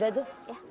ya udah tuh